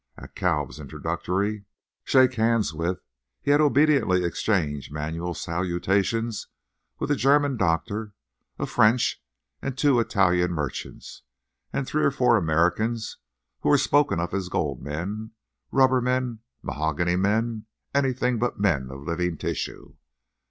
At Kalb's introductory: "Shake hands with ––––," he had obediently exchanged manual salutations with a German doctor, one French and two Italian merchants, and three or four Americans who were spoken of as gold men, rubber men, mahogany men—anything but men of living tissue.